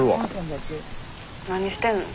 何してんの？